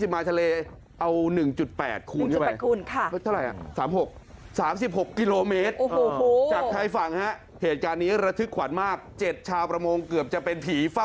๒๐ไมล์ทะเลเอา๑๘คูณเข้าไป๑๘คูณค่ะ